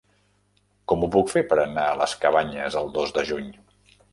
Com ho puc fer per anar a les Cabanyes el dos de juny?